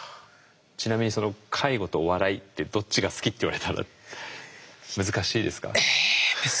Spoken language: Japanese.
ちなみにその介護とお笑いってどっちが好きって言われたら難しいですか？